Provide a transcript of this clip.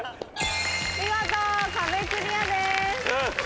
見事壁クリアです！